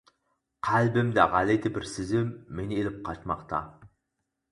قەلبىمدە غەلىتە بىر سېزىم مېنى ئېلىپ قاچماقتا.